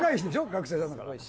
学生さんだから。